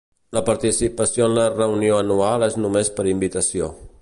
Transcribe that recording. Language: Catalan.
La participació en la Reunió Anual és només per invitació.